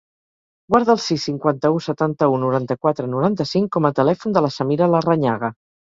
Guarda el sis, cinquanta-u, setanta-u, noranta-quatre, noranta-cinc com a telèfon de la Samira Larrañaga.